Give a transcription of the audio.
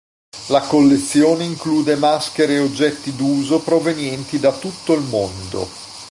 La collezione include maschere e oggetti d'uso provenienti da tutto il mondo.